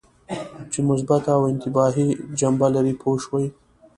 چې مثبته او انتباهي جنبه لري پوه شوې!.